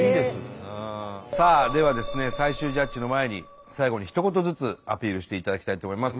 さあではですね最終ジャッジの前に最後にひと言ずつアピールしていただきたいと思います。